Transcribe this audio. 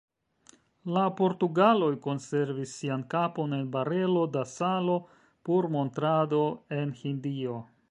La portugaloj konservis sian kapon en barelo da salo por montrado en Hindio.